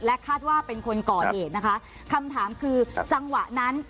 คาดว่าเป็นคนก่อเหตุนะคะคำถามคือจังหวะนั้น